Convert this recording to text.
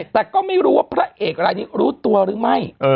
แต่ก็ไม่รู้ว่าพระเอกรายนี้รู้ตัวหรือไม่